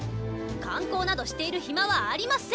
観光などしている暇はありません！